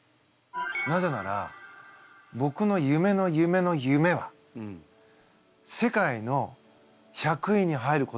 なぜならぼくの夢の夢の夢は世界の１００位に入ることだったんですよ。